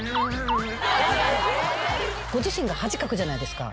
ご自身が恥かくじゃないですか。